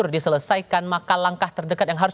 diselesaikan maka langkah terdekat yang harus